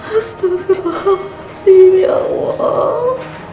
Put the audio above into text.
astagfirullahaladzim ya allah